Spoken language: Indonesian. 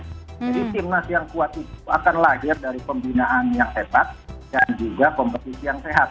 jadi tim nasional yang kuat itu akan lahir dari pembinaan yang tepat dan juga kompetisi yang sehat